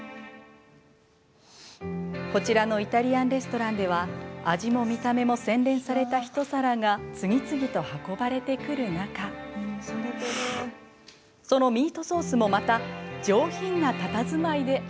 こちらのイタリアンレストランでは味も見た目も洗練された一皿が次々と運ばれてくる中そのミートソースもまた上品なたたずまいで現れます。